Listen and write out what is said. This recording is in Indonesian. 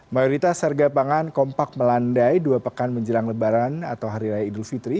mayoritas harga pangan kompak melandai dua pekan menjelang lebaran atau hari raya idul fitri